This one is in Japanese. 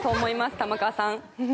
玉川さん。